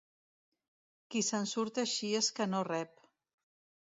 Qui se'n surt així és que no rep.